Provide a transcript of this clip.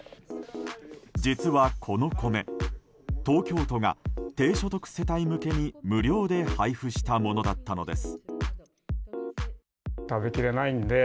実はこの米、東京都が低所得世帯向けに無料で配布したものだったのです。